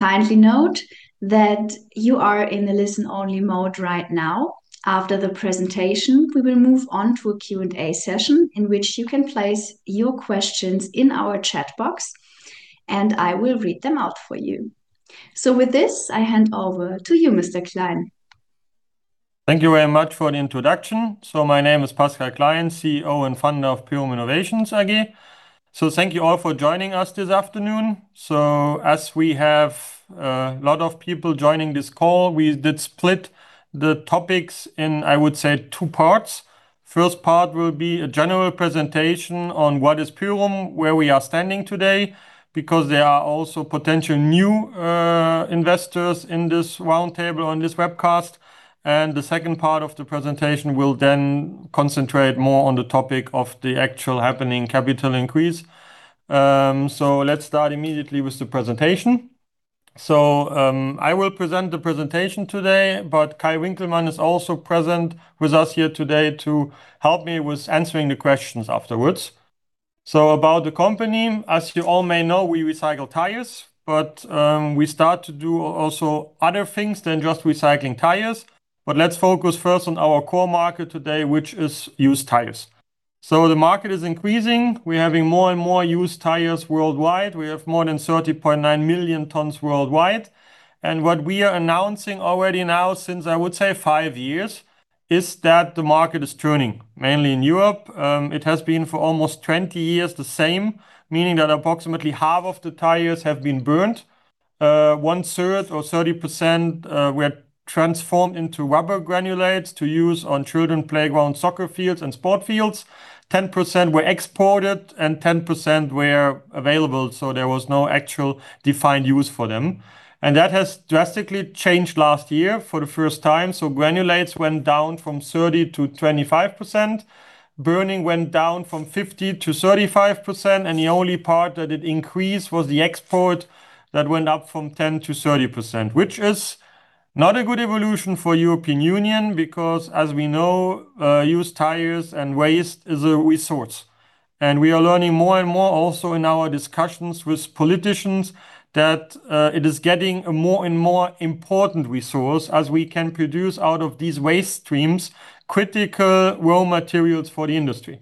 Kindly note that you are in the listen-only mode right now. After the presentation, we will move on to a Q&A session in which you can place your questions in our chat box, and I will read them out for you. With this, I hand over to you, Mr. Klein. Thank you very much for the introduction. My name is Pascal Klein, CEO and founder of Pyrum Innovations AG. Thank you all for joining us this afternoon. As we have a lot of people joining this call, we did split the topics in, I would say, two parts. The first part will be a general presentation on what is Pyrum, where we are standing today, because there are also potential new investors in this roundtable or in this webcast. The second part of the presentation will then concentrate more on the topic of the actual happening capital increase. Let's start immediately with the presentation. I will present the presentation today, but Kai Winkelmann is also present with us here today to help me with answering the questions afterwards. About the company, as you all may know, we recycle tires, but we start to do also other things than just recycling tires. Let's focus first on our core market today, which is used tires. The market is increasing. We're having more and more used tires worldwide. We have more than 30.9 million tons worldwide. What we are announcing already now, since I would say five years, is that the market is turning, mainly in Europe. It has been for almost 20 years the same, meaning that approximately half of the tires have been burned. One third or 30% were transformed into rubber granulates to use on children's playgrounds, soccer fields, and sport fields. 10% were exported and 10% were available, so there was no actual defined use for them. That has drastically changed last year for the first time. Granulates went down from 30%-25%. Burning went down from 50%-35%. The only part that did increase was the export that went up from 10%-30%, which is not a good evolution for the European Union because, as we know, used tires and waste is a resource. We are learning more and more also in our discussions with politicians that it is getting a more and more important resource as we can produce out of these waste streams critical raw materials for the industry.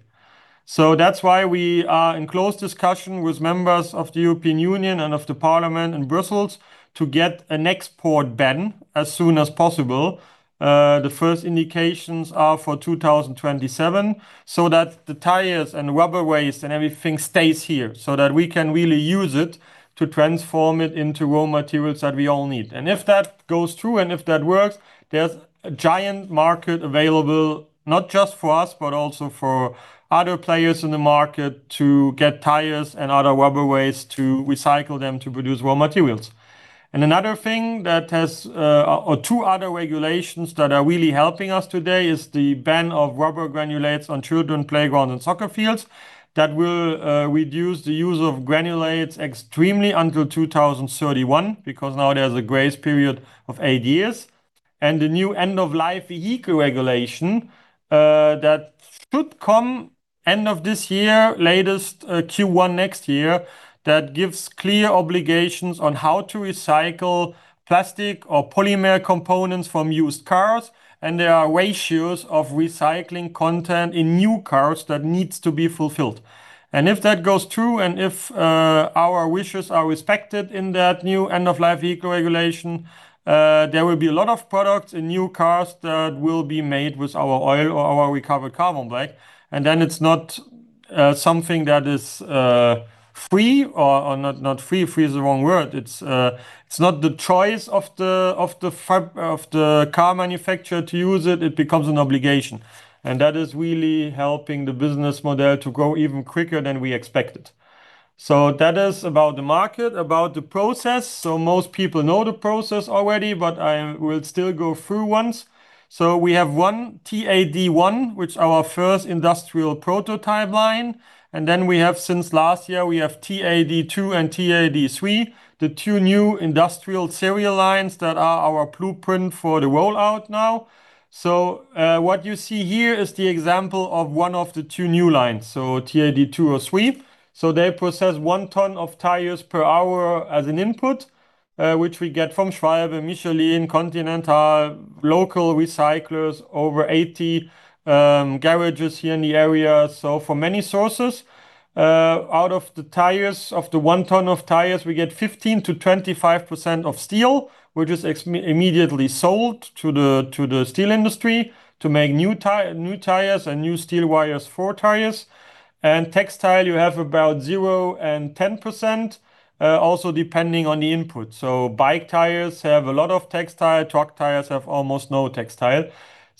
That is why we are in close discussion with members of the European Union and of the Parliament in Brussels to get an export ban as soon as possible. The first indications are for 2027 so that the tires and rubber waste and everything stays here so that we can really use it to transform it into raw materials that we all need. If that goes through and if that works, there is a giant market available not just for us, but also for other players in the market to get tires and other rubber waste to recycle them to produce raw materials. Another thing that has, or two other regulations that are really helping us today, is the ban of rubber granulates on children's playgrounds and soccer fields that will reduce the use of granulates extremely until 2031 because now there is a grace period of eight years. The new end-of-life vehicle regulation that should come end of this year, latest Q1 next year, gives clear obligations on how to recycle plastic or polymer components from used cars. There are ratios of recycling content in new cars that need to be fulfilled. If that goes through and if our wishes are respected in that new end-of-life vehicle regulation, there will be a lot of products in new cars that will be made with our oil or our recovered carbon black. It is not something that is free or not free is the wrong word. It is not the choice of the car manufacturer to use it. It becomes an obligation. That is really helping the business model to grow even quicker than we expected. That is about the market, about the process. Most people know the process already, but I will still go through once. We have one TAD1, which is our first industrial prototype line. Since last year, we have TAD2 and TAD3, the two new industrial serial lines that are our blueprint for the rollout now. What you see here is the example of one of the two new lines, so TAD2 or TAD3. They process one ton of tires per hour as an input, which we get from Schwalbe, Michelin, Continental, local recyclers, over 80 garages here in the area. From many sources, out of the tires, of the one ton of tires, we get 15%-25% of steel, which is immediately sold to the steel industry to make new tires and new steel wires for tires. Textile, you have about 0%-10%, also depending on the input. Bike tires have a lot of textile. Truck tires have almost no textile.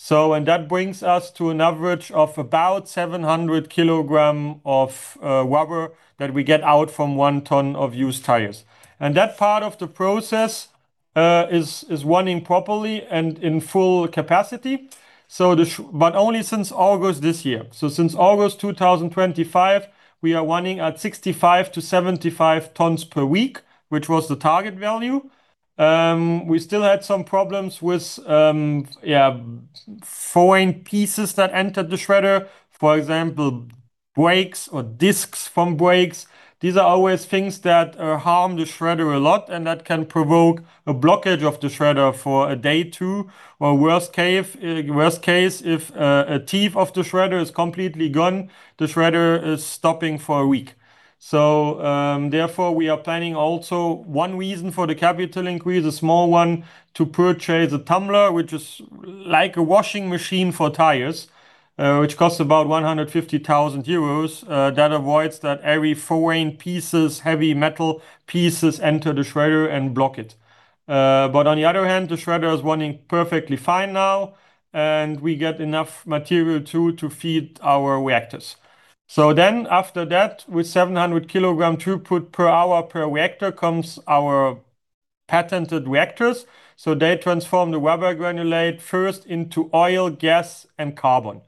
That brings us to an average of about 700 kg of rubber that we get out from 1 ton of used tires. That part of the process is running properly and in full capacity, but only since August this year. Since August 2023, we are running at 65-75 tons per week, which was the target value. We still had some problems with foreign pieces that entered the shredder, for example, brakes or discs from brakes. These are always things that harm the shredder a lot, and that can provoke a blockage of the shredder for a day or two. Or worst case, if a tooth of the shredder is completely gone, the shredder is stopping for a week. Therefore, we are planning also one reason for the capital increase, a small one, to purchase a Tumbler, which is like a washing machine for tires, which costs about 150,000 euros that avoids that every foreign piece, heavy metal pieces enter the shredder and block it. On the other hand, the shredder is running perfectly fine now, and we get enough material too to feed our reactors. After that, with 700 kilograms throughput per hour per reactor comes our patented reactors. They transform the rubber granulate first into oil, gas, and carbon.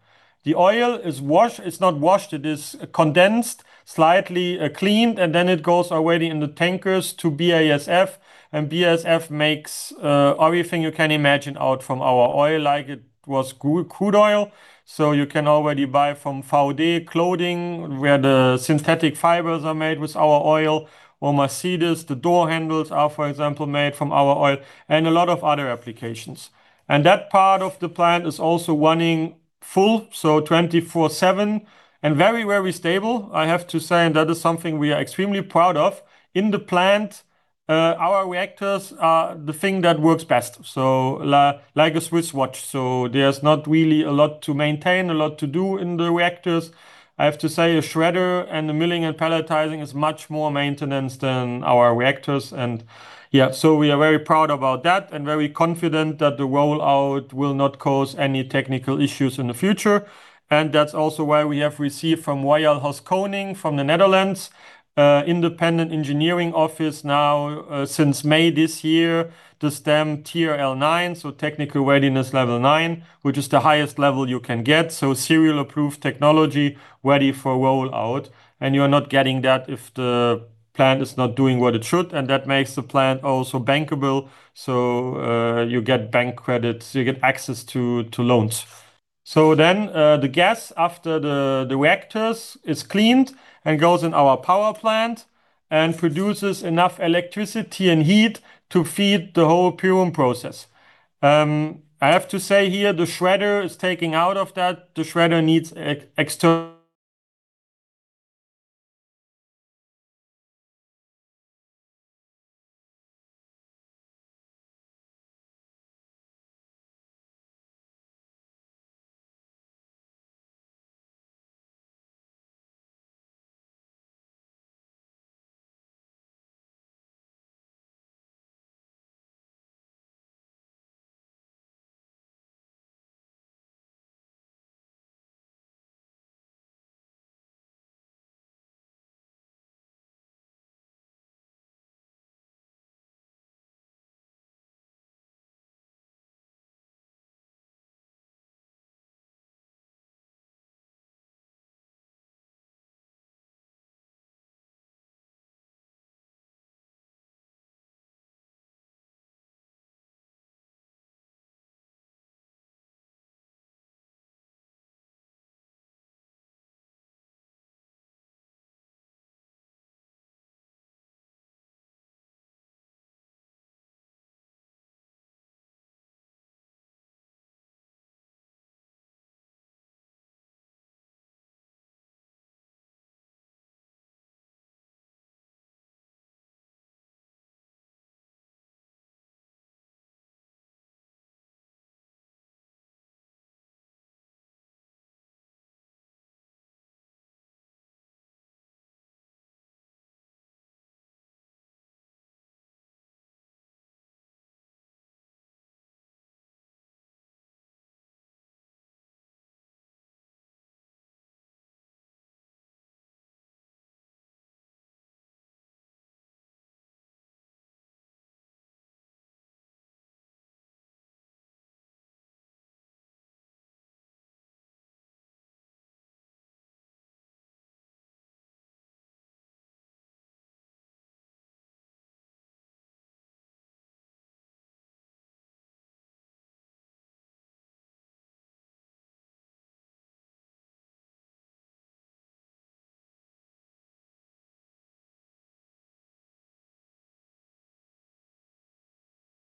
The oil is washed. It's not washed. It is condensed, slightly cleaned, and then it goes already in the tankers to BASF. BASF makes everything you can imagine out from our oil, like it was crude oil. You can already buy from Vaude clothing where the synthetic fibers are made with our oil, or Mercedes. The door handles are, for example, made from our oil and a lot of other applications. That part of the plant is also running full, 24/7 and very, very stable, I have to say. That is something we are extremely proud of. In the plant, our reactors are the thing that works best, like a Swiss watch. There is not really a lot to maintain, a lot to do in the reactors. I have to say a shredder and the milling and pelletizing is much more maintenance than our reactors. Yeah, we are very proud about that and very confident that the rollout will not cause any technical issues in the future. That is also why we have received from Royal Haskoning from the Netherlands, independent engineering office, now since May this year, the TRL 9, so technology readiness level nine, which is the highest level you can get. Serial approved technology ready for rollout. You are not getting that if the plant is not doing what it should. That makes the plant also bankable. You get bank credits. You get access to loans. The gas after the reactors is cleaned and goes in our power plant and produces enough electricity and heat to feed the whole Pyrum process. I have to say here, the shredder is taking out of that. The shredder needs external.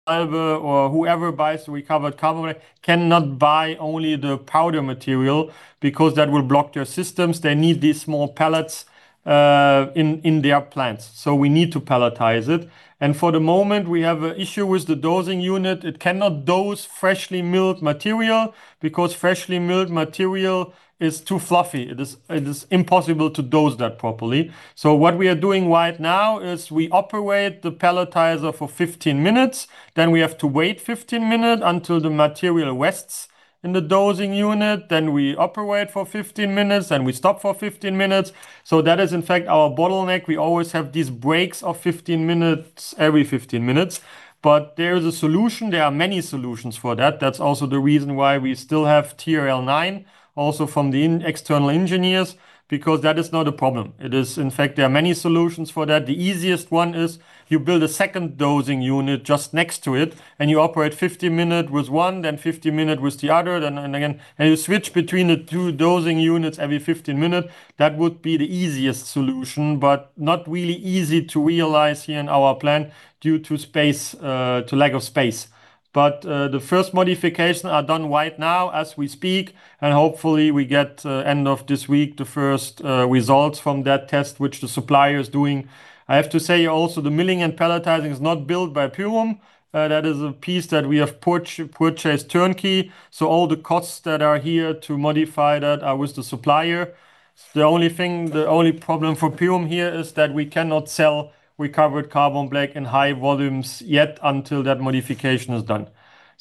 Whoever buys recovered carbon cannot buy only the powder material because that will block their systems. They need these small pellets in their plants. We need to pelletize it. For the moment, we have an issue with the dosing unit. It cannot dose freshly milled material because freshly milled material is too fluffy. It is impossible to dose that properly. What we are doing right now is we operate the pelletizer for 15 minutes. We have to wait 15 minutes until the material rests in the dosing unit. We operate for 15 minutes and we stop for 15 minutes. That is, in fact, our bottleneck. We always have these breaks of 15 minutes every 15 minutes. There is a solution. There are many solutions for that. That's also the reason why we still have TRL 9, also from the external engineers, because that is not a problem. It is, in fact, there are many solutions for that. The easiest one is you build a second dosing unit just next to it and you operate 15 minutes with one, then 15 minutes with the other. Again, you switch between the two dosing units every 15 minutes. That would be the easiest solution, but not really easy to realize here in our plant due to lack of space. The first modifications are done right now as we speak. Hopefully we get end of this week the first results from that test, which the supplier is doing. I have to say also the milling and pelletizing is not built by Pyrum. That is a piece that we have purchased turnkey. All the costs that are here to modify that are with the supplier. The only thing, the only problem for Pyrum here is that we cannot sell recovered carbon black in high volumes yet until that modification is done.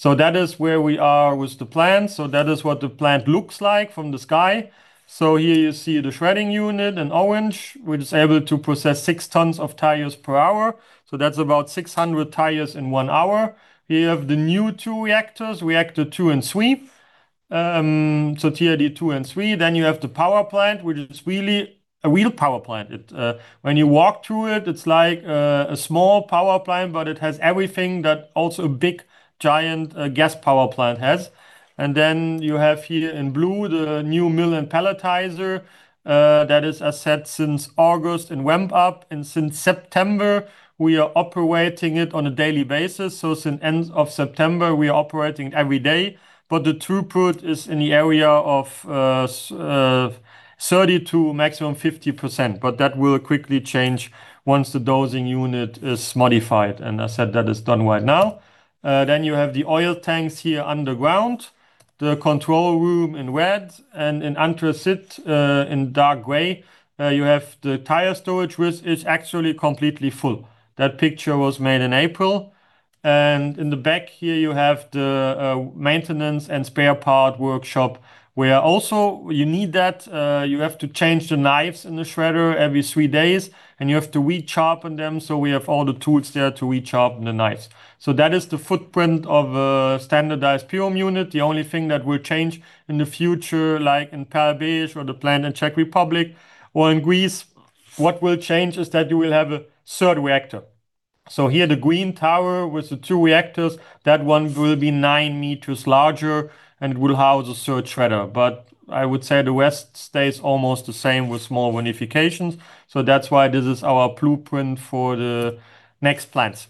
That is where we are with the plant. That is what the plant looks like from the sky. Here you see the shredding unit in orange, which is able to process 6 tons of tires per hour. That is about 600 tires in one hour. You have the new two reactors, reactor two and three, so TAD2 and TAD3. You have the power plant, which is really a real power plant. When you walk through it, it is like a small power plant, but it has everything that also a big giant gas power plant has. You have here in blue the new mill and palletizer that is, as said, since August in Wempup. Since September, we are operating it on a daily basis. Since end of September, we are operating every day. The throughput is in the area of 30% to maximum 50%. That will quickly change once the dosing unit is modified. As said, that is done right now. You have the oil tanks here underground, the control room in red, and in under sit in dark gray. You have the tire storage, which is actually completely full. That picture was made in April. In the back here, you have the maintenance and spare part workshop, where also you need that. You have to change the knives in the shredder every three days, and you have to recharpen them. We have all the tools there to recharpen the knives. That is the footprint of a standardized Pyrum unit. The only thing that will change in the future, like in Perl-Besch or the plant in Czech Republic or in Greece, what will change is that you will have a third reactor. Here, the green tower with the two reactors, that one will be nine meters larger and will house a third shredder. I would say the rest stays almost the same with small modifications. That is why this is our blueprint for the next plants.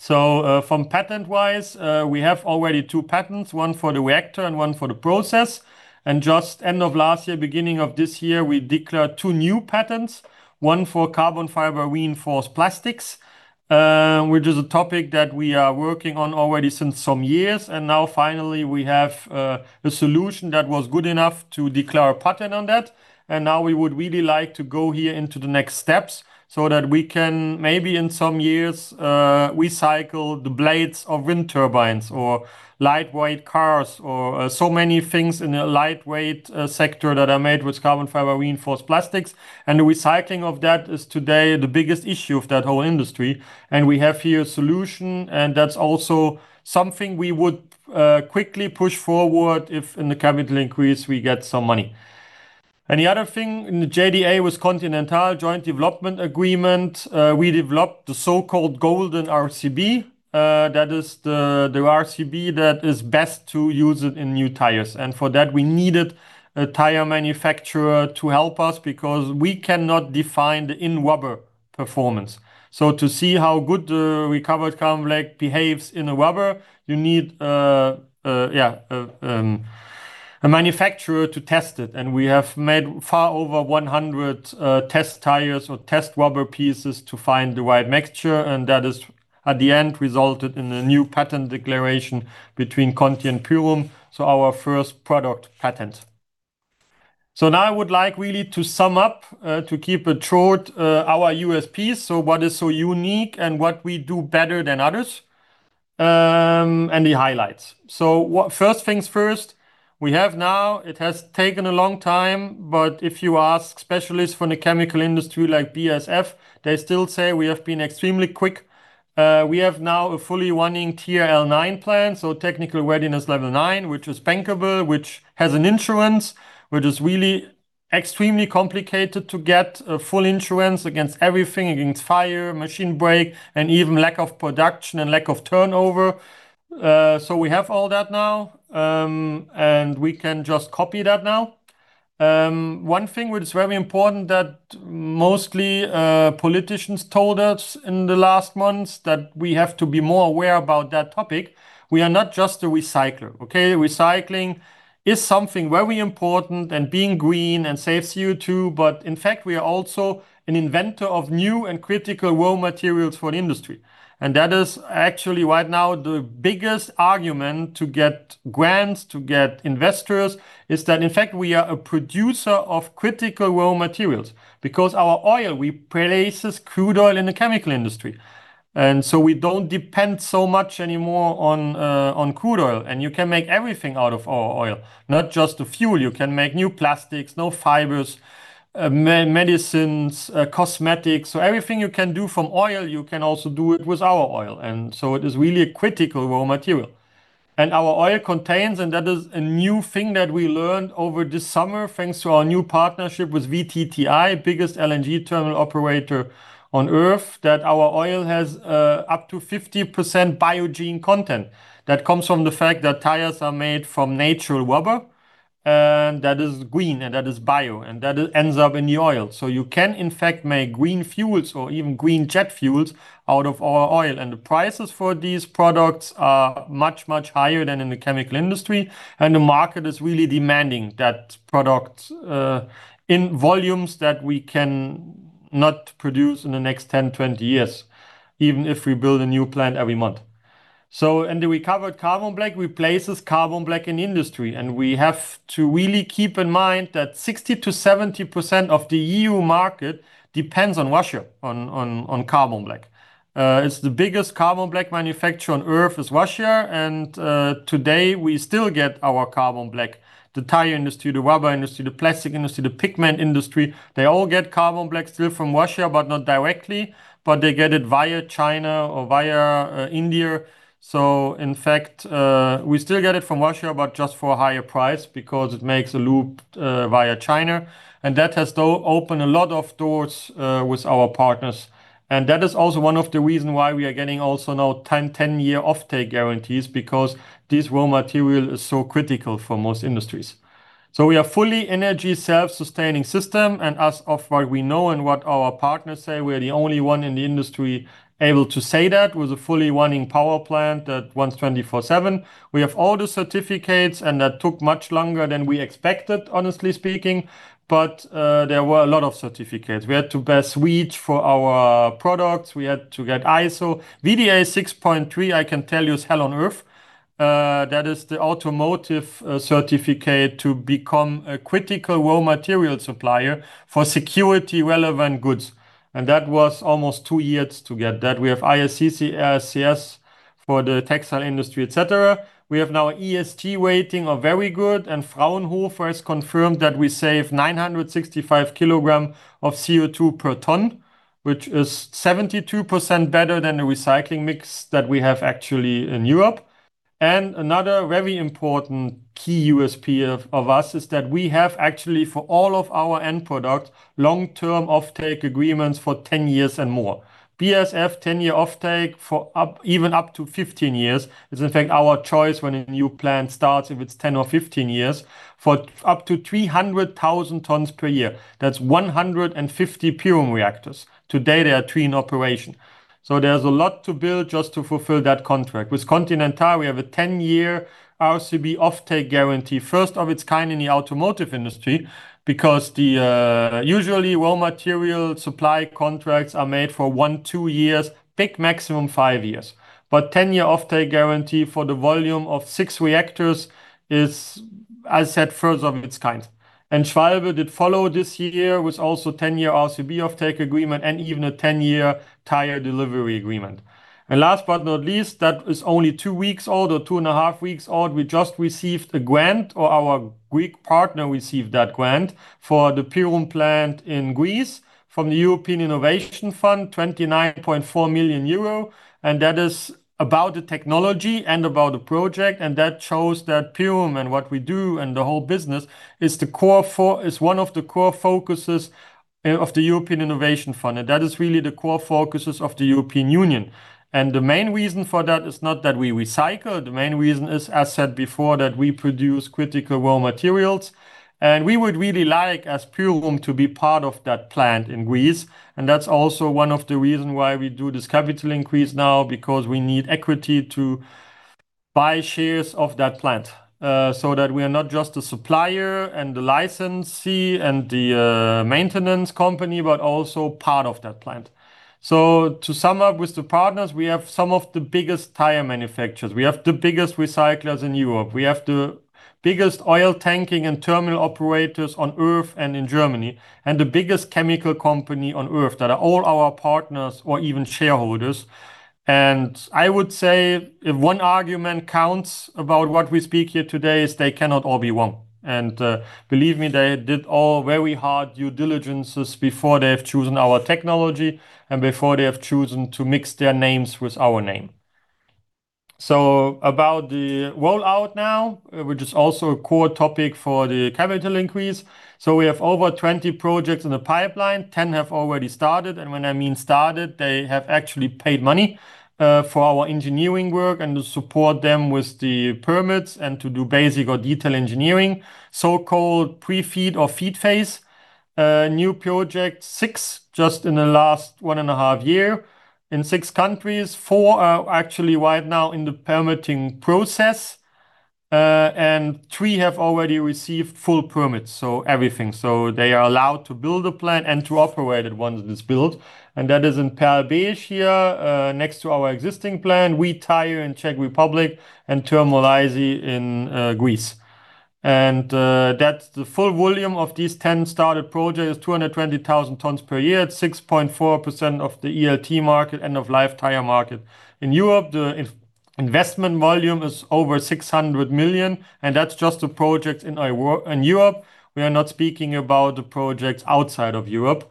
From patent-wise, we have already two patents, one for the reactor and one for the process. Just end of last year, beginning of this year, we declared two new patents, one for carbon fiber reinforced plastics, which is a topic that we are working on already since some years. Now finally, we have a solution that was good enough to declare a patent on that. We would really like to go here into the next steps so that we can maybe in some years recycle the blades of wind turbines or lightweight cars or so many things in the lightweight sector that are made with carbon fiber reinforced plastics. The recycling of that is today the biggest issue of that whole industry. We have here a solution, and that's also something we would quickly push forward if in the capital increase we get some money. The other thing in the JDA with Continental Joint Development Agreement, we developed the so-called golden RCB. That is the RCB that is best to use it in new tires. For that, we needed a tire manufacturer to help us because we cannot define the in-rubber performance. To see how good the recovered carbon black behaves in the rubber, you need, yeah, a manufacturer to test it. We have made far over 100 test tires or test rubber pieces to find the right mixture. That has at the end resulted in a new patent declaration between Continental and Pyrum. Our first product patent. Now I would like really to sum up, to keep it short, our USPs. What is so unique and what we do better than others and the highlights. First things first, we have now, it has taken a long time, but if you ask specialists from the chemical industry like BASF, they still say we have been extremely quick. We have now a fully running TRL 9 plant, so technical readiness level nine, which is bankable, which has an insurance, which is really extremely complicated to get a full insurance against everything, against fire, machine break, and even lack of production and lack of turnover. We have all that now, and we can just copy that now. One thing which is very important that mostly politicians told us in the last months that we have to be more aware about that topic. We are not just a recycler. Okay, recycling is something very important and being green and saves you too, but in fact, we are also an inventor of new and critical raw materials for the industry. That is actually right now the biggest argument to get grants, to get investors, is that in fact, we are a producer of critical raw materials because our oil, we place crude oil in the chemical industry. We do not depend so much anymore on crude oil. You can make everything out of our oil, not just the fuel. You can make new plastics, new fibers, medicines, cosmetics. Everything you can do from oil, you can also do it with our oil. It is really a critical raw material. Our oil contains, and that is a new thing that we learned over this summer thanks to our new partnership with VTTI, biggest LNG terminal operator on earth, that our oil has up to 50% biogenic content. That comes from the fact that tires are made from natural rubber, and that is green, and that is bio, and that ends up in the oil. You can in fact make green fuels or even green jet fuels out of our oil. The prices for these products are much, much higher than in the chemical industry. The market is really demanding that product in volumes that we can not produce in the next 10-20 years, even if we build a new plant every month. In the recovered carbon black, we place carbon black in industry. We have to really keep in mind that 60%-70% of the EU market depends on Russia, on carbon black. The biggest carbon black manufacturer on earth is Russia. Today we still get our carbon black, the tire industry, the rubber industry, the plastic industry, the pigment industry. They all get carbon black still from Russia, but not directly, but they get it via China or via India. In fact, we still get it from Russia, but just for a higher price because it makes a loop via China. That has opened a lot of doors with our partners. That is also one of the reasons why we are getting also now 10-year offtake guarantees because this raw material is so critical for most industries. We are a fully energy self-sustaining system. As of what we know and what our partners say, we are the only one in the industry able to say that with a fully running power plant that runs 24/7. We have all the certificates, and that took much longer than we expected, honestly speaking. There were a lot of certificates. We had to pass WEEE for our products. We had to get ISO. VDA 6.3, I can tell you, is hell on earth. That is the automotive certificate to become a critical raw material supplier for security-relevant goods. That was almost two years to get that. We have ISCC, RSCS for the textile industry, etc. We have now EST rating of very good. Fraunhofer has confirmed that we save 965 kg of CO2 per ton, which is 72% better than the recycling mix that we have actually in Europe. Another very important key USP of us is that we have actually for all of our end products, long-term offtake agreements for 10 years and more. BASF 10-year offtake for even up to 15 years is in fact our choice when a new plant starts, if it's 10 or 15 years, for up to 300,000 tons per year. That's 150 Pyrum reactors. Today they are two in operation. There is a lot to build just to fulfill that contract. With Continental, we have a 10-year RCB offtake guarantee, first of its kind in the automotive industry, because the usually raw material supply contracts are made for one, two years, peak maximum five years. A 10-year offtake guarantee for the volume of six reactors is, as I said, first of its kind. Schwalbe did follow this year with also 10-year RCB offtake agreement and even a 10-year tire delivery agreement. Last but not least, that is only two weeks old or 2.5 weeks old. We just received a grant or our Greek partner received that grant for the Pyrum plant in Greece from the European Innovation Fund, 29.4 million euro. That is about the technology and about the project. That shows that Pyrum and what we do and the whole business is one of the core focuses of the European Innovation Fund. That is really the core focuses of the European Union. The main reason for that is not that we recycle. The main reason is, as said before, that we produce critical raw materials. We would really like as Pyrum to be part of that plant in Greece. That is also one of the reasons why we do this capital increase now, because we need equity to buy shares of that plant so that we are not just the supplier and the licensee and the maintenance company, but also part of that plant. To sum up with the partners, we have some of the biggest tire manufacturers. We have the biggest recyclers in Europe. We have the biggest oil tanking and terminal operators on earth and in Germany and the biggest chemical company on earth that are all our partners or even shareholders. I would say if one argument counts about what we speak here today, it is they cannot all be one. Believe me, they did all very hard due diligences before they have chosen our technology and before they have chosen to mix their names with our name. About the rollout now, which is also a core topic for the capital increase. We have over 20 projects in the pipeline. Ten have already started. When I mean started, they have actually paid money for our engineering work and to support them with the permits and to do basic or detail engineering, so-called pre-feed or feed phase. New project six, just in the last one and a half years in six countries. Four are actually right now in the permitting process. Three have already received full permits, so everything. They are allowed to build a plant and to operate it once it is built. That is in Perl-Besch here, next to our existing plant, WeTire in Czech Republic, and Thermolysis in Greece. The full volume of these ten started projects is 220,000 tons per year. It's 6.4% of the ELT market, end-of-life tire market. In Europe, the investment volume is over 600 million. That's just the projects in Europe. We are not speaking about the projects outside of Europe.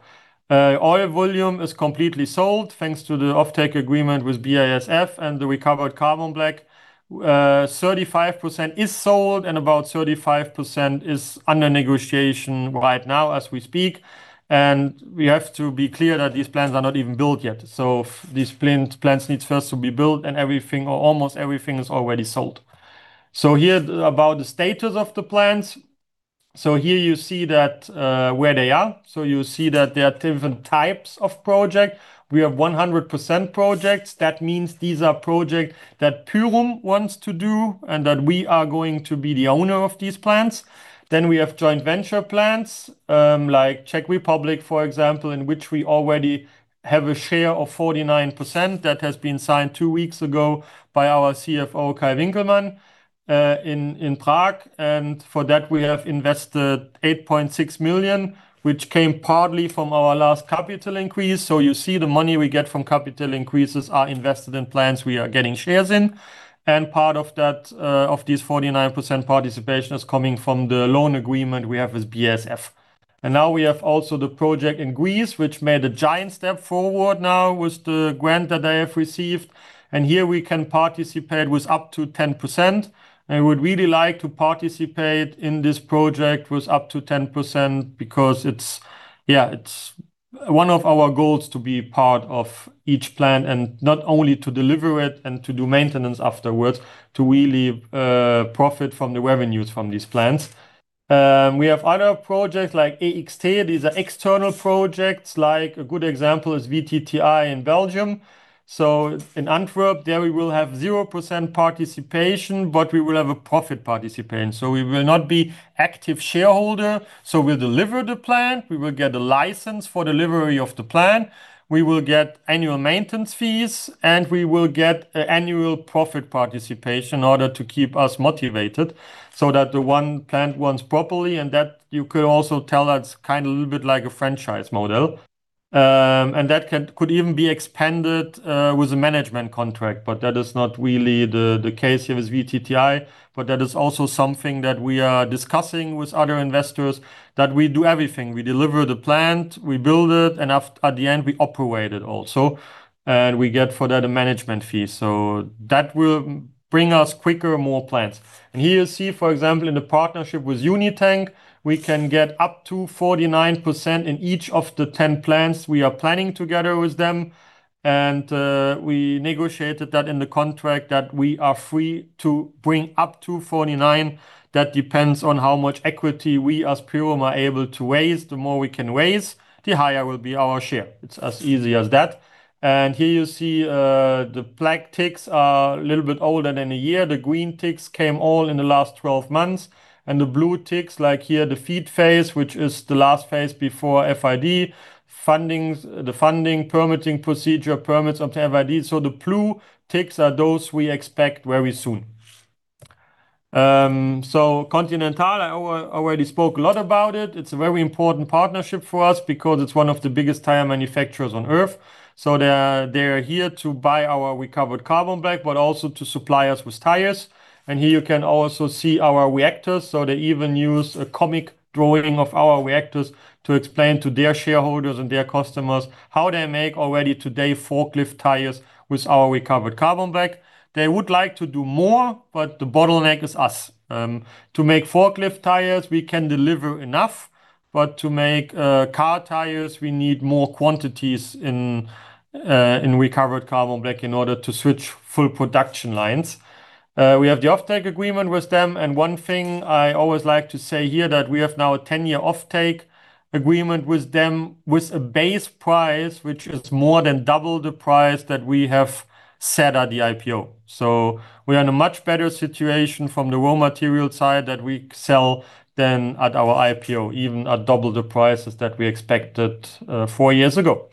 Oil volume is completely sold thanks to the offtake agreement with BASF and the recovered carbon black. 35% is sold and about 35% is under negotiation right now as we speak. We have to be clear that these plants are not even built yet. These plants need first to be built and everything, or almost everything, is already sold. Here about the status of the plants. Here you see that where they are. You see that there are different types of projects. We have 100% projects. That means these are projects that Pyrum wants to do and that we are going to be the owner of these plants. We have joint venture plants like Czech Republic, for example, in which we already have a share of 49% that has been signed two weeks ago by our CFO, Kai Winkelmann, in Prague. For that, we have invested 8.6 million, which came partly from our last capital increase. You see the money we get from capital increases are invested in plants we are getting shares in. Part of these 49% participation is coming from the loan agreement we have with BASF. Now we have also the project in Greece, which made a giant step forward now with the grant that they have received. Here we can participate with up to 10%. We would really like to participate in this project with up to 10% because it's, yeah, it's one of our goals to be part of each plant and not only to deliver it and to do maintenance afterwards, to really profit from the revenues from these plants. We have other projects like AXT. These are external projects. Like a good example is VTTI in Belgium. In Antwerp, there we will have 0% participation, but we will have a profit participation. We will not be an active shareholder. We will deliver the plant. We will get a license for delivery of the plant. We will get annual maintenance fees and we will get annual profit participation in order to keep us motivated so that the one plant runs properly. You could also tell that's kind of a little bit like a franchise model. That could even be expanded with a management contract. That is not really the case here with VTTI. That is also something that we are discussing with other investors, that we do everything. We deliver the plant, we build it, and at the end, we operate it also. We get for that a management fee. That will bring us quicker more plants. Here you see, for example, in the partnership with Unitank, we can get up to 49% in each of the 10 plants we are planning together with them. We negotiated that in the contract, that we are free to bring up to 49. That depends on how much equity we as Pyrum are able to raise. The more we can raise, the higher will be our share. It's as easy as that. Here you see the black ticks are a little bit older than a year. The green ticks came all in the last 12 months. The blue ticks, like here, the feed phase, which is the last phase before FID funding, the funding permitting procedure permits of the FID. The blue ticks are those we expect very soon. Continental, I already spoke a lot about it. It is a very important partnership for us because it is one of the biggest tire manufacturers on earth. They are here to buy our recovered carbon black, but also to supply us with tires. Here you can also see our reactors. They even use a comic drawing of our reactors to explain to their shareholders and their customers how they make already today forklift tires with our recovered carbon black. They would like to do more, but the bottleneck is us. To make forklift tires, we can deliver enough. To make car tires, we need more quantities in recovered carbon black in order to switch full production lines. We have the offtake agreement with them. One thing I always like to say here is that we have now a 10-year offtake agreement with them with a base price, which is more than double the price that we have set at the IPO. We are in a much better situation from the raw material side that we sell than at our IPO, even at double the prices that we expected four years ago.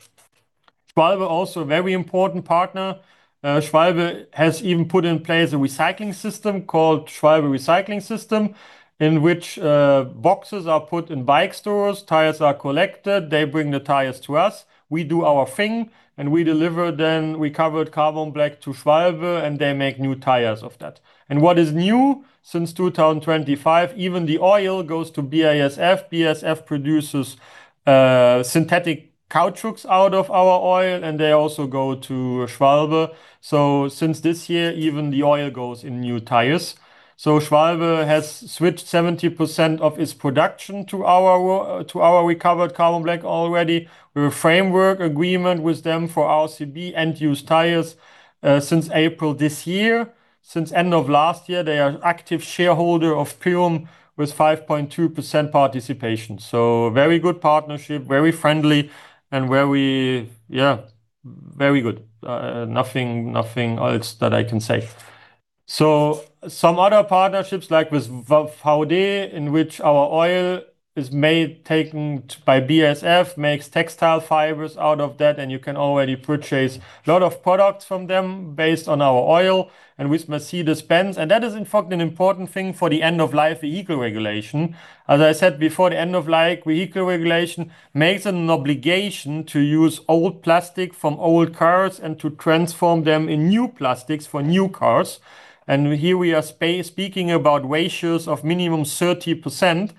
Schwalbe, also a very important partner. Schwalbe has even put in place a recycling system called Schwalbe Recycling System, in which boxes are put in bike stores, tires are collected, they bring the tires to us, we do our thing, and we deliver then recovered carbon black to Schwalbe, and they make new tires of that. What is new since 2024, even the oil goes to BASF. BASF produces synthetic cow chocks out of our oil, and they also go to Schwalbe. Since this year, even the oil goes in new tires. Schwalbe has switched 70% of its production to our recovered carbon black already. We have a framework agreement with them for rCB end-use tires since April this year. Since end of last year, they are active shareholder of Pyrum with 5.2% participation. Very good partnership, very friendly, and very, yeah, very good. Nothing else that I can say. Some other partnerships like with Vaude, in which our oil is taken by BASF, makes textile fibers out of that, and you can already purchase a lot of products from them based on our oil and with Mercedes-Benz. That is in fact an important thing for the end-of-life vehicle regulation. As I said before, the end-of-life vehicle regulation makes it an obligation to use old plastic from old cars and to transform them in new plastics for new cars. Here we are speaking about ratios of minimum 30%.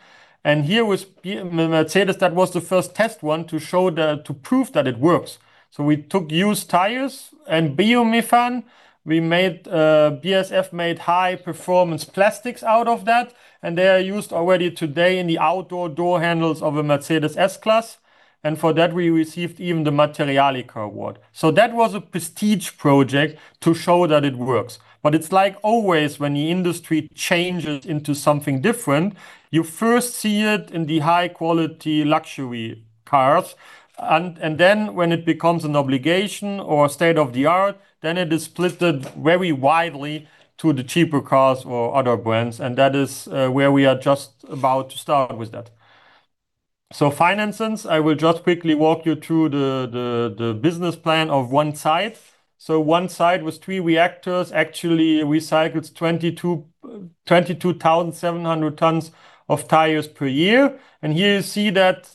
Here with Mercedes, that was the first test one to show that, to prove that it works. We took used tires and Björn Hinrichs. We made BASF made high-performance plastics out of that, and they are used already today in the outdoor door handles of a Mercedes S-Class. For that, we received even the Materialica award. That was a prestige project to show that it works. It's like always when the industry changes into something different, you first see it in the high-quality luxury cars. When it becomes an obligation or state of the art, then it is split very widely to the cheaper cars or other brands. That is where we are just about to start with that. Finances, I will just quickly walk you through the business plan of one site. One site with three reactors actually recycles 22,700 tons of tires per year. Here you see that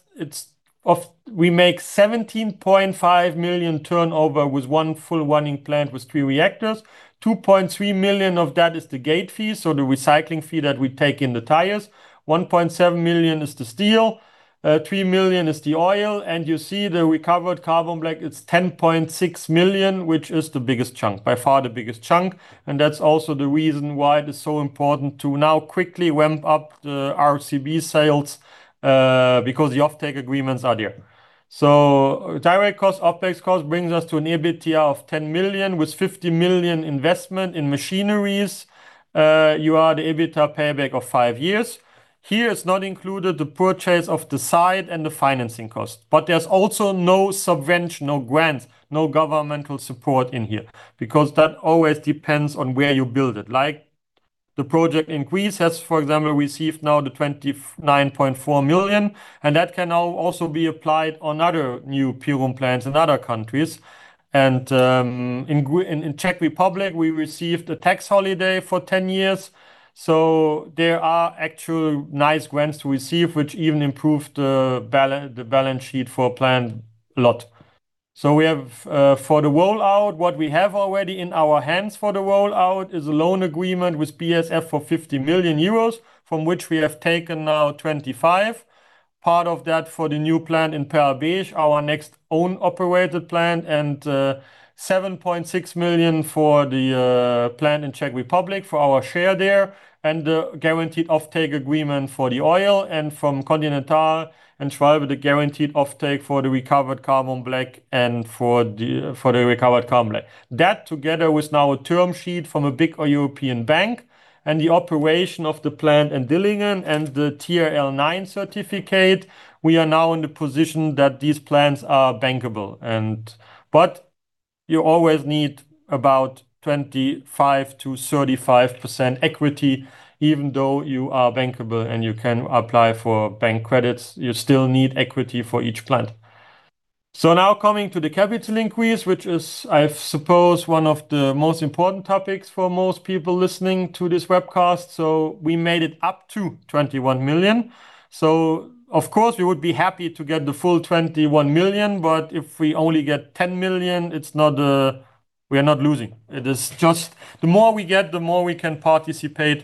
we make 17.5 million turnover with one full running plant with three reactors. 2.3 million of that is the gate fee, so the recycling fee that we take in the tires. 1.7 million is the steel. 3 million is the oil. You see the recovered carbon black, it's 10.6 million, which is the biggest chunk, by far the biggest chunk. That's also the reason why it is so important to now quickly ramp up the RCB sales because the offtake agreements are there. Direct cost, offtake cost brings us to an EBITDA of 10 million with 50 million investment in machineries. You are the EBITDA payback of five years. Here it's not included the purchase of the site and the financing cost. There's also no subvention, no grants, no governmental support in here because that always depends on where you build it. Like the project in Greece has, for example, received now the 29.4 million. That can now also be applied on other new Pyrum plants in other countries. In Czech Republic, we received a tax holiday for 10 years. There are actual nice grants to receive, which even improved the balance sheet for a plant a lot. We have for the rollout, what we have already in our hands for the rollout is a loan agreement with BASF for 50 million euros, from which we have taken now 25. Part of that for the new plant in Perl-Besch, our next own operated plant, and 7.6 million for the plant in Czech Republic for our share there. The guaranteed offtake agreement for the oil and from Continental and Schwalbe, the guaranteed offtake for the recovered carbon black and for the recovered carbon black. That together with now a term sheet from a big European bank and the operation of the plant in Dillingen and the TRL 9 certificate, we are now in the position that these plants are bankable. You always need about 25%-35% equity, even though you are bankable and you can apply for bank credits, you still need equity for each plant. Now coming to the capital increase, which is, I suppose, one of the most important topics for most people listening to this webcast. We made it up to 21 million. Of course, we would be happy to get the full 21 million, but if we only get 10 million, it is not a we are not losing. It is just the more we get, the more we can participate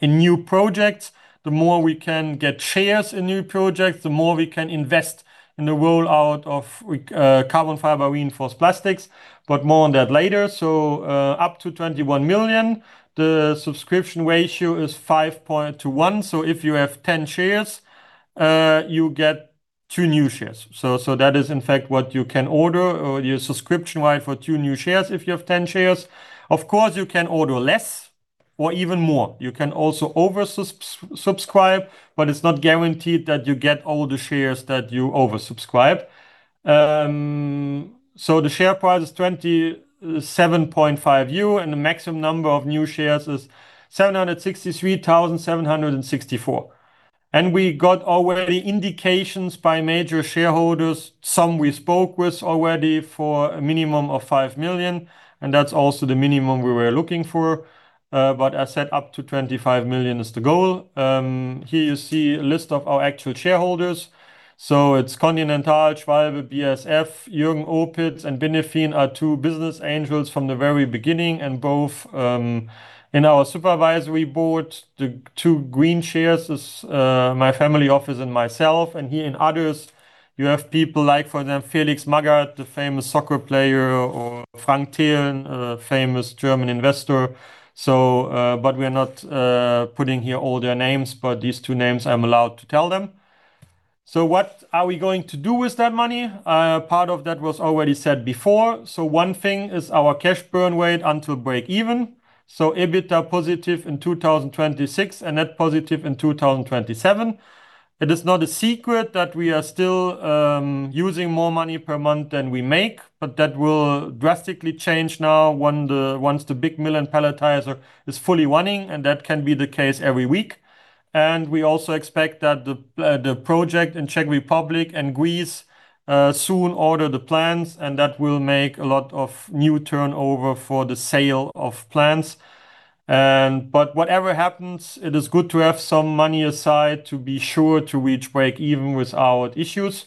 in new projects, the more we can get shares in new projects, the more we can invest in the rollout of carbon fiber reinforced plastics, but more on that later. Up to 21 million, the subscription ratio is 5.21. If you have 10 shares, you get two new shares. That is in fact what you can order or your subscription right for two new shares if you have 10 shares. Of course, you can order less or even more. You can also oversubscribe, but it's not guaranteed that you get all the shares that you oversubscribe. The share price is 27.5 and the maximum number of new shares is 763,764. We got already indications by major shareholders, some we spoke with already for a minimum of 5 million. That is also the minimum we were looking for. I said up to 25 million is the goal. Here you see a list of our actual shareholders. It is Continental, Schwalbe, BASF, Jürgen Opitz, and Björn Hinrichs, our two business angels from the very beginning and both in our supervisory board. The two green shares is my family office and myself. Here in others, you have people like, for example, Felix Magath, the famous soccer player, or Frank Thelen, a famous German investor. We are not putting here all their names, but these two names I'm allowed to tell them. What are we going to do with that money? Part of that was already said before. One thing is our cash burn rate until break even. EBITDA positive in 2026 and net positive in 2027. It is not a secret that we are still using more money per month than we make, but that will drastically change now once the big Mill and Pellet Tires is fully running, and that can be the case every week. We also expect that the project in Czech Republic and Greece will soon order the plants, and that will make a lot of new turnover for the sale of plants. Whatever happens, it is good to have some money aside to be sure to reach break even without issues.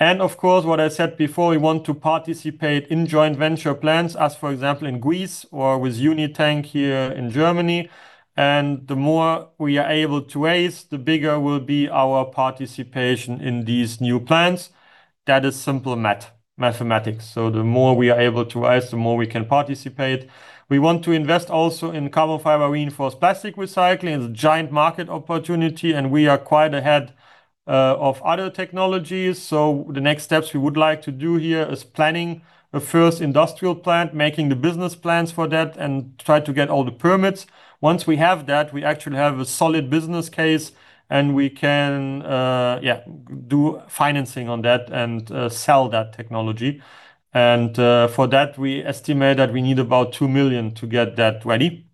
Of course, what I said before, we want to participate in joint venture plants, as for example in Greece or with Unitank here in Germany. The more we are able to raise, the bigger will be our participation in these new plants. That is simple mathematics. The more we are able to raise, the more we can participate. We want to invest also in carbon fiber reinforced plastic recycling. It is a giant market opportunity, and we are quite ahead of other technologies. The next steps we would like to do here is planning a first industrial plant, making the business plans for that and try to get all the permits. Once we have that, we actually have a solid business case and we can, yeah, do financing on that and sell that technology. For that, we estimate that we need about 2 million to get that ready.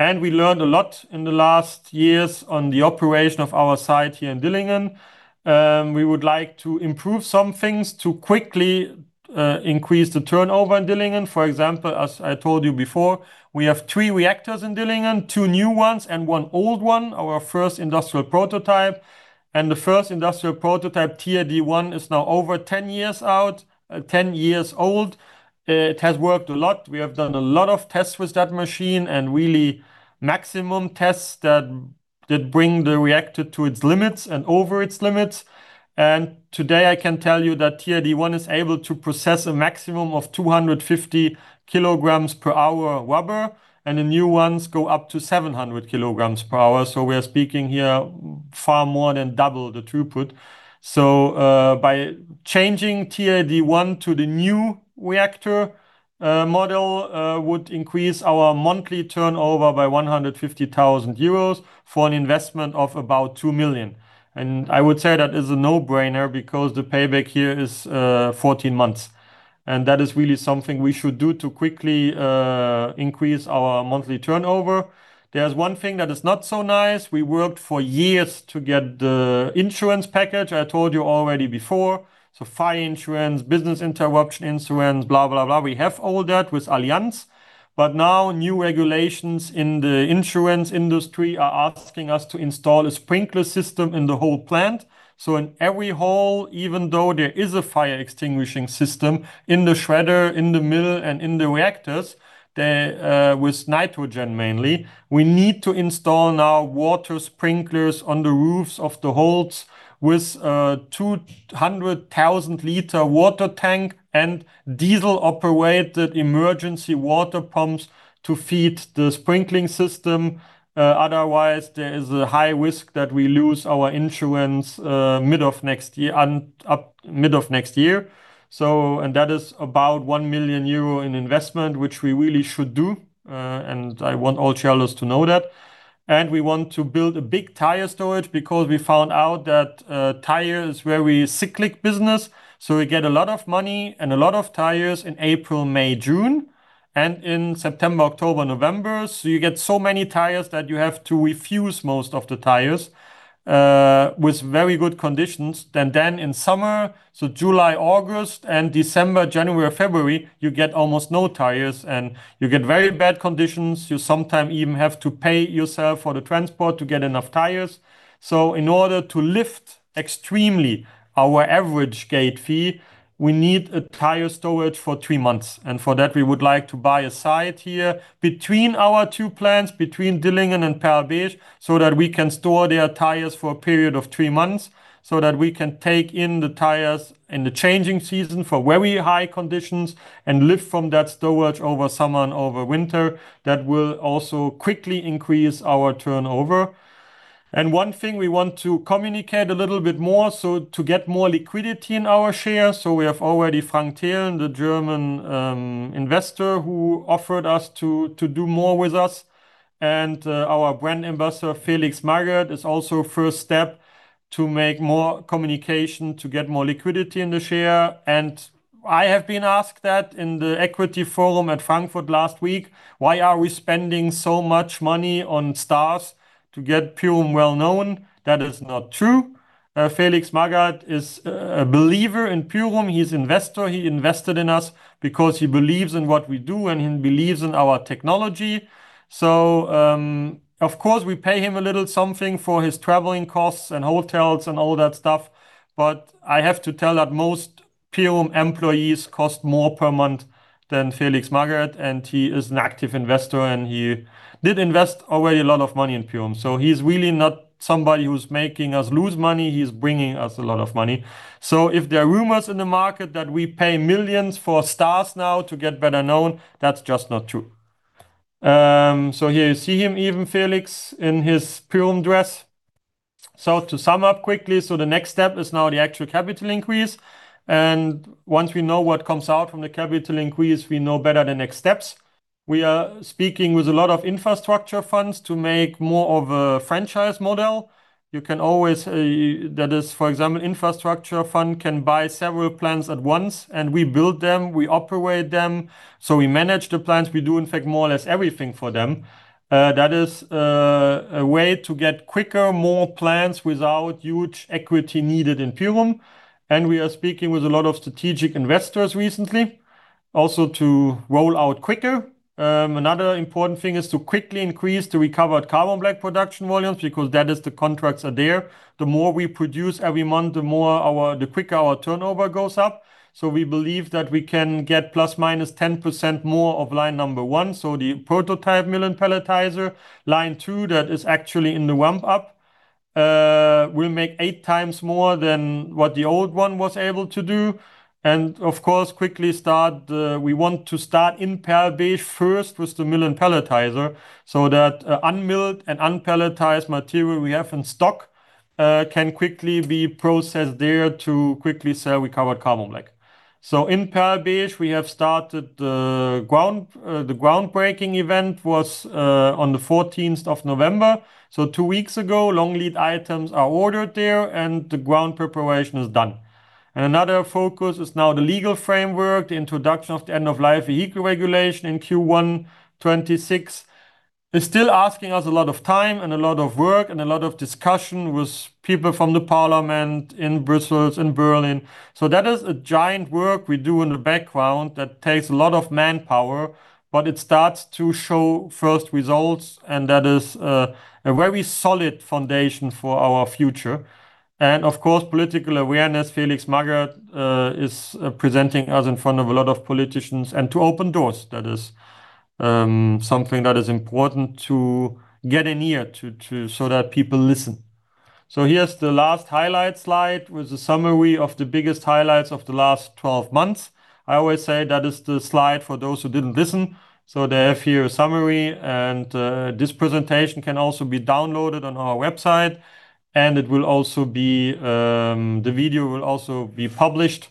We learned a lot in the last years on the operation of our site here in Dillingen. We would like to improve some things to quickly increase the turnover in Dillingen. For example, as I told you before, we have three reactors in Dillingen, two new ones and one old one, our first industrial prototype. The first industrial prototype, TAD1, is now over 10 years out, 10 years old. It has worked a lot. We have done a lot of tests with that machine and really maximum tests that bring the reactor to its limits and over its limits. Today I can tell you that TAD1 is able to process a maximum of 250 kg/h rubber, and the new ones go up to 700 kg/h. We are speaking here far more than double the throughput. By changing TAD1 to the new reactor model would increase our monthly turnover by 150,000 euros for an investment of about 2 million. I would say that is a no-brainer because the payback here is 14 months. That is really something we should do to quickly increase our monthly turnover. There is one thing that is not so nice. We worked for years to get the insurance package. I told you already before. Fire insurance, business interruption insurance, blah, blah, blah. We have all that with Allianz. Now new regulations in the insurance industry are asking us to install a sprinkler system in the whole plant. In every hall, even though there is a fire extinguishing system in the shredder, in the mill, and in the reactors, with nitrogen mainly, we need to install now water sprinklers on the roofs of the halls with a 200,000 liter water tank and diesel operated emergency water pumps to feed the sprinkling system. Otherwise, there is a high risk that we lose our insurance mid of next year and up mid of next year. That is about 1 million euro in investment, which we really should do. I want all shareholders to know that. We want to build a big tire storage because we found out that tire is a very cyclic business. We get a lot of money and a lot of tires in April, May, June, and in September, October, November. You get so many tires that you have to refuse most of the tires with very good conditions. In summer, July, August, and December, January, February, you get almost no tires and you get very bad conditions. You sometimes even have to pay yourself for the transport to get enough tires. In order to lift extremely our average gate fee, we need a tire storage for three months. For that, we would like to buy a site here between our two plants, between Dillingen and Perl-Besch, so that we can store their tires for a period of three months so that we can take in the tires in the changing season for very high conditions and lift from that storage over summer and over winter. That will also quickly increase our turnover. One thing we want to communicate a little bit more is to get more liquidity in our shares. We have already Frank Thelen, the German investor, who offered us to do more with us. Our brand ambassador, Felix Magath, is also a first step to make more communication to get more liquidity in the share. I have been asked that in the Equity Forum at Frankfurt last week. Why are we spending so much money on stars to get Pyrum well known? That is not true. Felix Magath is a believer in Pyrum. He's an investor. He invested in us because he believes in what we do and he believes in our technology. Of course, we pay him a little something for his traveling costs and hotels and all that stuff. I have to tell that most Pyrum employees cost more per month than Felix Magath. He is an active investor and he did invest already a lot of money in Pyrum. He's really not somebody who's making us lose money. He's bringing us a lot of money. If there are rumors in the market that we pay millions for stars now to get better known, that's just not true. Here you see him, even Felix in his Pyrum dress. To sum up quickly, the next step is now the actual capital increase. Once we know what comes out from the capital increase, we know better the next steps. We are speaking with a lot of infrastructure funds to make more of a franchise model. You can always, that is, for example, infrastructure fund can buy several plants at once and we build them, we operate them. We manage the plants. We do in fact more or less everything for them. That is a way to get quicker, more plants without huge equity needed in Pyrum. We are speaking with a lot of strategic investors recently also to roll out quicker. Another important thing is to quickly increase the recovered carbon black production volumes because that is the contracts are there. The more we produce every month, the more our, the quicker our turnover goes up. We believe that we can get ±10% more off line number one. The prototype Mill and Pelletizer, line two that is actually in the ramp up, will make 8x more than what the old one was able to do. Of course, quickly start, we want to start in Perl-Besch first with the Mill and Pelletizer so that unmilled and unpelletized material we have in stock can quickly be processed there to quickly sell recovered carbon black. In Perl-Besch, we have started. The groundbreaking event was on the 14th of November. Two weeks ago, long lead items are ordered there and the ground preparation is done. Another focus is now the legal framework, the introduction of the end of life vehicle regulation in Q1 2026 is still asking us a lot of time and a lot of work and a lot of discussion with people from the Parliament in Brussels and Berlin. That is a giant work we do in the background that takes a lot of manpower, but it starts to show first results and that is a very solid foundation for our future. Of course, political awareness, Felix Magath is presenting us in front of a lot of politicians and to open doors. That is something that is important to get in here too so that people listen. Here is the last highlight slide with the summary of the biggest highlights of the last 12 months. I always say that is the slide for those who did not listen. They have here a summary and this presentation can also be downloaded on our website and it will also be, the video will also be published.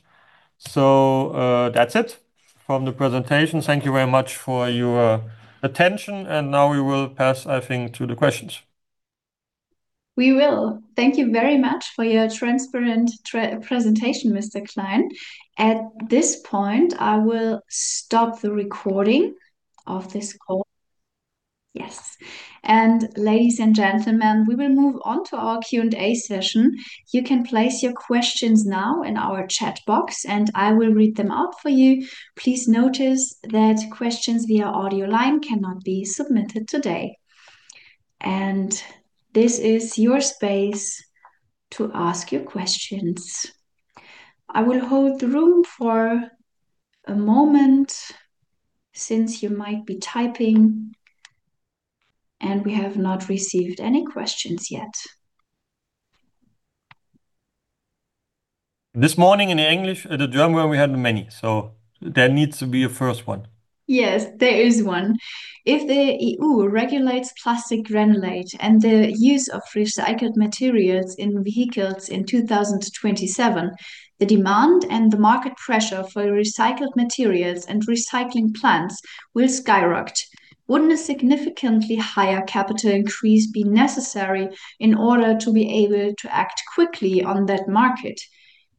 That is it from the presentation. Thank you very much for your attention. Now we will pass, I think, to the questions. We will. Thank you very much for your transparent presentation, Mr. Klein. At this point, I will stop the recording of this call. Yes. Ladies and gentlemen, we will move on to our Q&A session. You can place your questions now in our chat box and I will read them out for you. Please notice that questions via audio line cannot be submitted today. This is your space to ask your questions. I will hold the room for a moment since you might be typing and we have not received any questions yet. This morning in the English, the German, we had many. There needs to be a first one. Yes, there is one. If the EU regulates plastic granulate and the use of recycled materials in vehicles in 2027, the demand and the market pressure for recycled materials and recycling plants will skyrocket. Wouldn't a significantly higher capital increase be necessary in order to be able to act quickly on that market?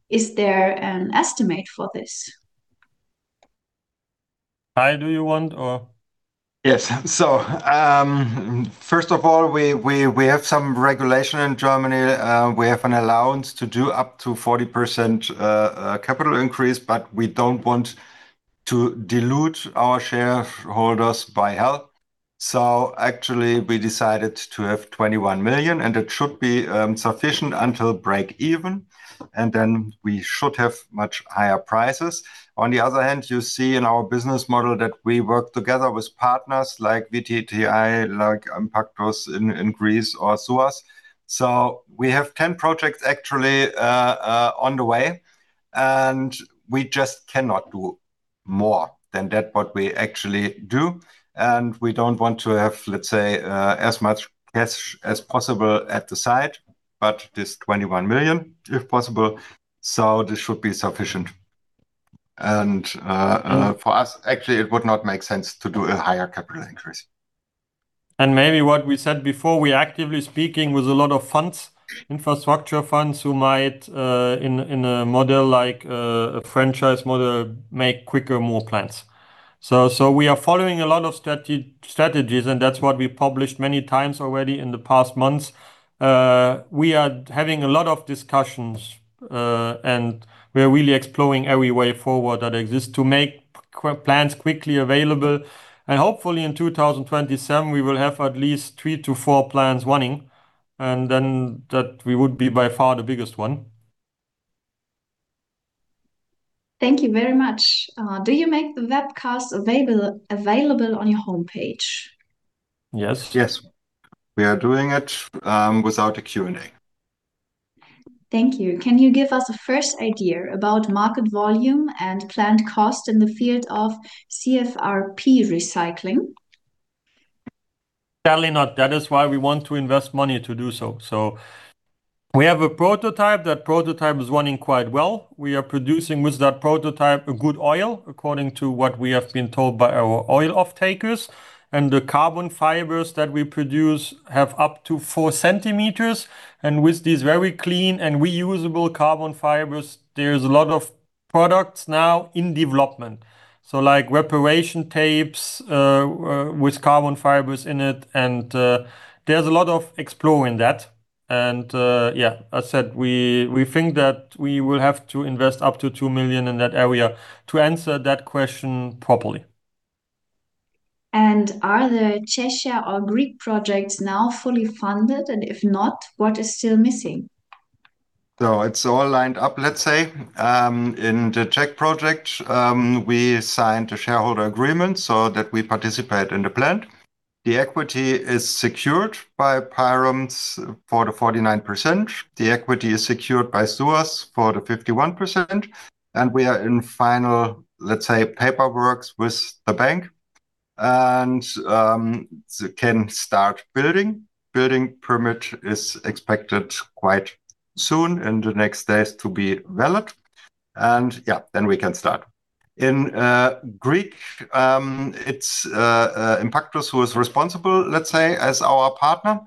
Is there an estimate for this? Hi, do you want or? Yes. First of all, we have some regulation in Germany. We have an allowance to do up to 40% capital increase, but we don't want to dilute our shareholders by half. Actually, we decided to have 21 million and it should be sufficient until break even. Then we should have much higher prices. On the other hand, you see in our business model that we work together with partners like VTTI, like Thermolysis in Greece or SUAS. We have 10 projects actually on the way and we just cannot do more than that, what we actually do. We do not want to have, let's say, as much cash as possible at the site, but this 21 million, if possible. This should be sufficient. For us, actually, it would not make sense to do a higher capital increase. Maybe what we said before, we're actively speaking with a lot of funds, infrastructure funds who might, in a model like a franchise model, make quicker more plants. We are following a lot of strategies and that's what we published many times already in the past months. We are having a lot of discussions and we are really exploring every way forward that exists to make plants quickly available. Hopefully in 2027, we will have at least three to four plants running. We would be by far the biggest one. Thank you very much. Do you make the webcast available on your homepage? Yes. Yes. We are doing it without a Q&A. Thank you. Can you give us a first idea about market volume and planned cost in the field of CFRP recycling? Sadly not. That is why we want to invest money to do so. We have a prototype. That prototype is running quite well. We are producing with that prototype a good oil according to what we have been told by our oil off-takers. The carbon fibers that we produce have up to 4 cm. With these very clean and reusable carbon fibers, there's a lot of products now in development. Like reparation tapes with carbon fibers in it. There's a lot of exploring that. I said we think that we will have to invest up to 2 million in that area to answer that question properly. Are the Czechia or Greek projects now fully funded? If not, what is still missing? It's all lined up, let's say. In the Czech project, we signed a shareholder agreement so that we participate in the plant. The equity is secured by Pyrum for the 49%. The equity is secured by SUAS for the 51%. We are in final, let's say, paperwork with the bank and can start building. Building permit is expected quite soon in the next days to be valid. Yeah, then we can start. In Greece, it's Thermolysis S.A. who is responsible, let's say, as our partner.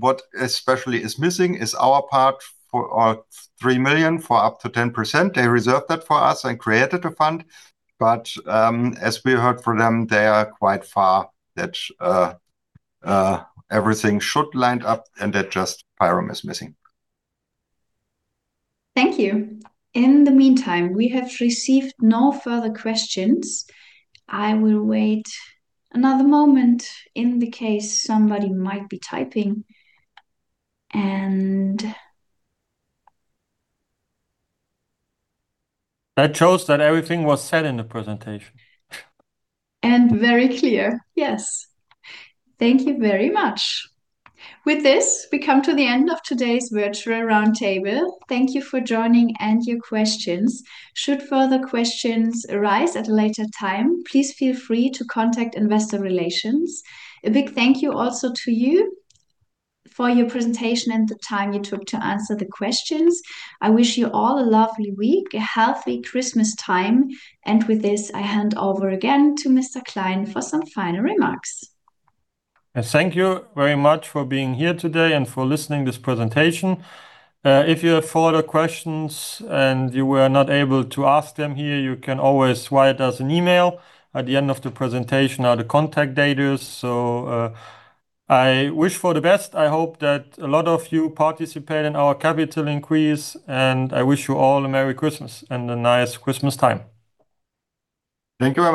What especially is missing is our part for 3 million for up to 10%. They reserved that for us and created a fund. As we heard from them, they are quite far, that everything should line up and that just Pyrum is missing. Thank you. In the meantime, we have received no further questions. I will wait another moment in case somebody might be typing. I chose that everything was said in the presentation. Very clear. Yes. Thank you very much. With this, we come to the end of today's virtual roundtable. Thank you for joining and your questions. Should further questions arise at a later time, please feel free to contact Investor Relations. A big thank you also to you for your presentation and the time you took to answer the questions. I wish you all a lovely week, a healthy Christmas time. With this, I hand over again to Mr. Klein for some final remarks. Thank you very much for being here today and for listening to this presentation. If you have further questions and you were not able to ask them here, you can always write us an email at the end of the presentation on the contact details. I wish for the best. I hope that a lot of you participate in our capital increase and I wish you all a Merry Christmas and a nice Christmas time. Thank you.